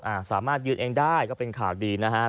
อ่าสามารถยืนเองได้ก็เป็นข่าวดีนะฮะ